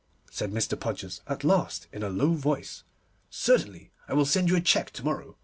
said Mr. Podgers at last, in a low voice. 'Certainly. I will send you a cheque to morrow.